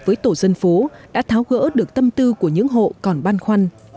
với tổ dân phố đã tháo gỡ được tâm tư của những hộ còn ban khoăn